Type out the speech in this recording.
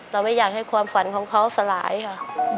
เราไม่อยากให้ความฝันของเขาสลายค่ะ